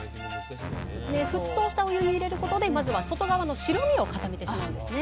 沸騰したお湯に入れることでまずは外側の白身を固めてしまうんですね。